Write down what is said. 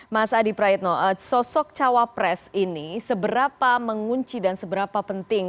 mas adi praetno sosok cawapres ini seberapa mengunci dan seberapa penting